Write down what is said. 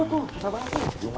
lo tuh susah banget sih